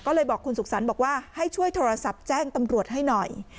ก็เลยบอกคุณสุขสรรค์บอกว่าให้ช่วยโทรศัพท์แจ้งตำรวจให้หน่อย